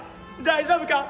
大丈夫か？